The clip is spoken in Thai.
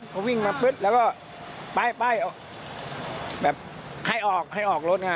เขาวิ่งมาปุ๊บแล้วก็ไปออกแบบให้ออกให้ออกรถค่ะ